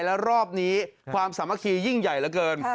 และรอบนี้ความสามัคคียิ่งใหญ่เหลือเกิน